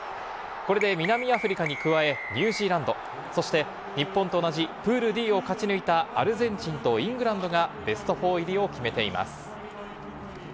これで南アフリカに加え、ニュージーランド、そして日本と同じプールＤを勝ち抜いたアルゼンチンとイングランドがベスト４入りを決めています。